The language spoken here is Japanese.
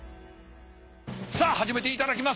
さあ始めていただきます。